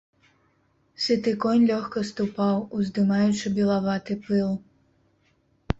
Сыты конь лёгка ступаў, уздымаючы белаваты пыл.